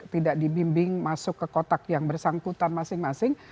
tidak dibimbing masuk ke kotak yang bersangkutan masing masing